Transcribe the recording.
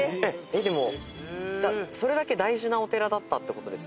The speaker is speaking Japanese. でもそれだけ大事なお寺だったってことですよね。